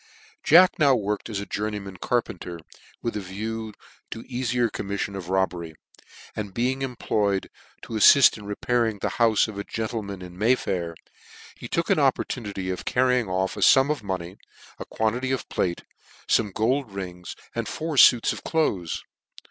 Jack now worked as a journeyman carpenter, with a view to the eafier commiflion of robbery ; and heing employed to a flail in repairing the houie of a gentleman in May Fair, he took an oppor tunity of carrying off a fum of money, a quantity of plate, fome gold rings, and four fuits of deaths.